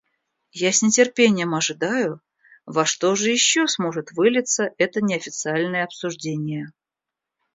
Я с нетерпением ожидаю, во что же еще сможет вылиться это неофициальное обсуждение.